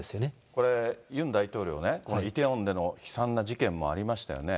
これ、ユン大統領ね、イテウォンでの悲惨な事故もありましたよね。